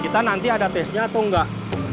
kita nanti ada tesnya atau enggak